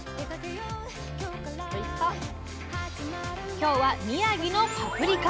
今日は宮城のパプリカ！